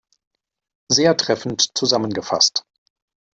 Sehr treffend zusammengefasst!